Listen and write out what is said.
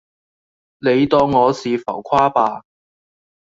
你當我是浮誇吧